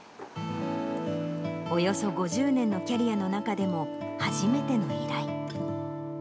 およそ５０年のキャリアの中でも初めての依頼。